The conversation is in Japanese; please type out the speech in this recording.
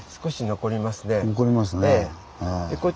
残りますね。